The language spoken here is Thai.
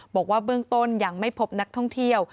บอกว่าเบื้องต้นยังไม่พบนักท่องเที่ยว